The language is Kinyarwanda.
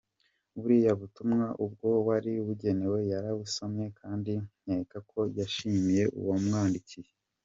Buriya butumwa uwo bwari bugenewe yarabusomye, kandi nkeka ko yashimiye uwabumwandikiye; .